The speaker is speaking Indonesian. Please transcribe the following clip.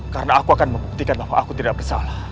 karena aku akan membuktikan bahwa aku tidak bersalah